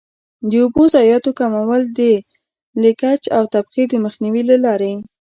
د اوبو ضایعاتو کمول د لیکج او تبخیر د مخنیوي له لارې.